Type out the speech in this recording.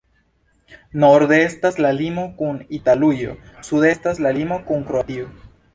Norde estas la limo kun Italujo, sude estas la limo kun Kroatio.